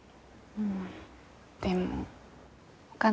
うん。